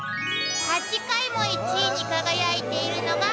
「８回も１位に輝いているのが」